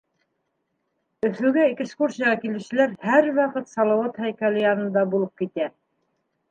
Өфөгә экскурсияға килеүселәр һәр ваҡыт Салауат һәйкәле янында булып китә.